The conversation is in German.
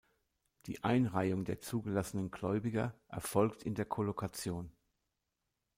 Die Einreihung der zugelassenen Gläubiger erfolgt in der Kollokation.